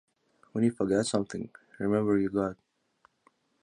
‘When you forget something, remember your God’.